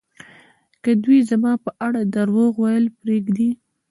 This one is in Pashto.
که دوی زما په اړه درواغ ویل پرېږدي